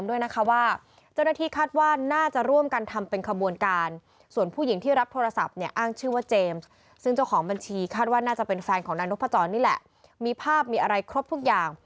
บัญชีคาดว่าน่าจะเป็นแฟนของนางนกพระจรนี่แหละมีภาพมีอะไรครบทุกอย่าง